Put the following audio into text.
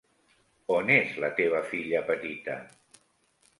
On és la teva filla petita?